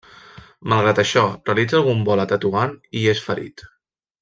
Malgrat això realitza algun vol a Tetuan i és ferit.